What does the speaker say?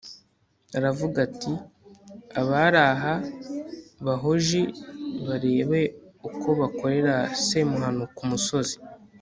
aravuga ati abari aha bahoji barebe uko bakorera semuhanuka umusozi